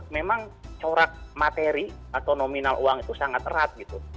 memang corak materi atau nominal uang itu sangat erat gitu